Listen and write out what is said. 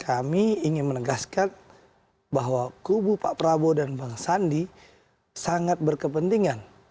kami ingin menegaskan bahwa kubu pak prabowo dan bang sandi sangat berkepentingan